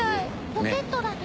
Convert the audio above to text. ロケットだね。